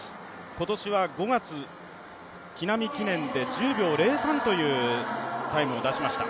今年は５月、木南記念で１０秒０３というタイムを見せました。